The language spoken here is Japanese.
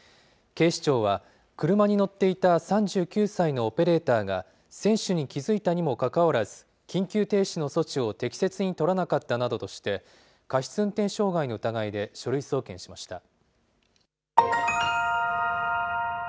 警視庁は、車に乗っていた３９歳のオペレーターが、選手に気付いたにもかかわらず、緊急停止の措置を適切に取らなかったなどとして、過失運転傷害の疑いで書類送検しました。